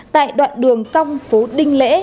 tại đoạn đường công phố đinh lễ